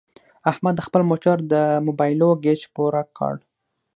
احمد د خپل موټر د مبلایلو ګېچ پوره کړ.